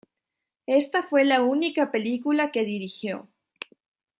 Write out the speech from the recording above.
Esta fue la única película que dirigió.